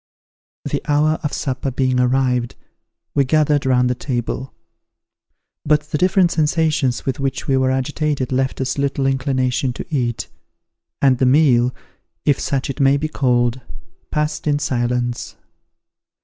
The hour of supper being arrived, we gathered round the table; but the different sensations with which we were agitated left us little inclination to eat, and the meal, if such it may be called, passed in silence.